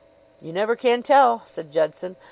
"You never can tell," said Judson.